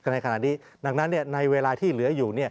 ในขณะนี้ดังนั้นในเวลาที่เหลืออยู่